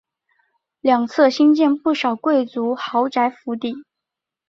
两侧兴建不少贵族豪宅府邸。